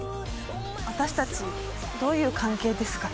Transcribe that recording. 私たちどういう関係ですか。